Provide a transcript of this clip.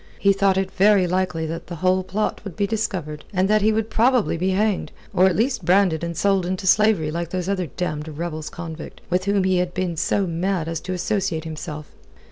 He thought it very likely that the whole plot would be discovered, and that he would probably be hanged, or at least branded and sold into slavery like those other damned rebels convict, with whom he had been so mad as to associate himself.